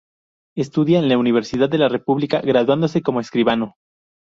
Estudia en la Universidad de la República, graduándose como escribano.